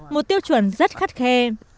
một tiêu chuẩn rất khắt khe